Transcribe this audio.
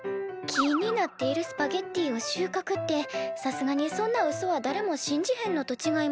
木になっているスパゲッティをしゅうかくってさすがにそんなうそはだれも信じへんのとちがいますか？